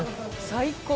最高！